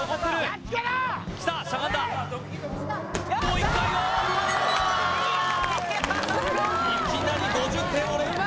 いきなり５０点を連発！